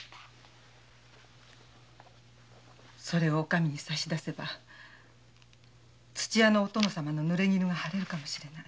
それをお上に差し出せば殿様のヌレギヌが晴れるかもしれない。